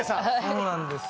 そうなんです